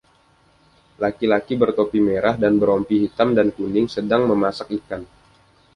Laki-laki bertopi merah dan berrompi hitam dan kuning sedang memasak ikan.